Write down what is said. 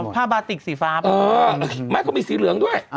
ผ้าบาติกสีฟ้าไม่เขามีสีเหลืองด้วย